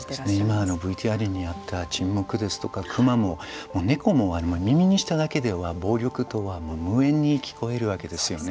今のＶＴＲにあった「沈黙」ですとか「熊」も「猫」も耳にしただけでは暴力とは無縁に聞こえるわけですよね。